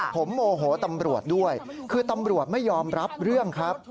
ผมโมโหตำรวจด้วยคือตำรวจไม่ยอมรับเรื่องครับ